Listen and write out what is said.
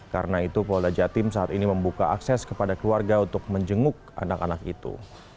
karena itu polda jatim saat ini membuka akses kepada keluarga untuk menjenguk anak anak itu